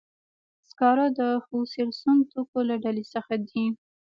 سکاره د فوسیل سون توکو له ډلې څخه دي.